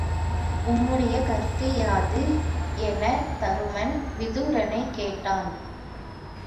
உம்முடைய கருத்து யாது? எனத் தருமன் விதுரனைக் கேட்டான்.